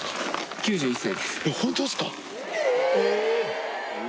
９１歳です。